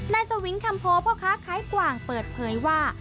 นายสวิงค์คำโพเพราะค้าขายกว่างเปิดเผยว่า